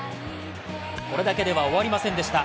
これだけでは終わりませんでした。